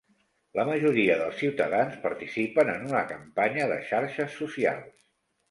La majoria dels ciutadans participen en una campanya de xarxes socials.